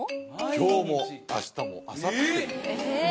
今日も明日もあさってもええ！？